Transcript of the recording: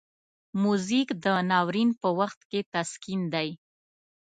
موزیک د ناورین په وخت کې تسکین دی.